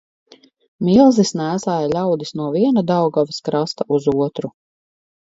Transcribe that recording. Milzis nēsāja ļaudis no viena Daugavas krasta uz otru.